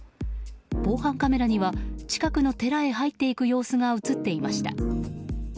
防犯カメラには近くの寺に入っていく様子が映っていました。